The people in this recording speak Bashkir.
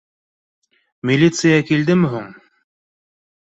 — Милиция кңлдеме һуң?